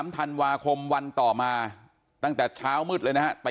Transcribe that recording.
ธันวาคมวันต่อมาตั้งแต่เช้ามืดเลยนะฮะ